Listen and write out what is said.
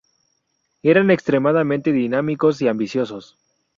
Eran extremadamente dinámicos y ambiciosos.